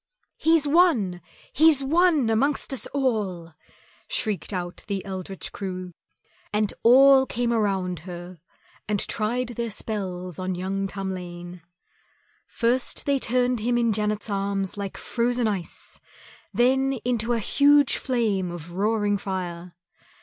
"He's won, he's won amongst us all," shrieked out the eldritch crew, and all came around her and tried their spells on young Tamlane. First they turned him in Janet's arms like frozen ice, then into a huge flame of roaring fire.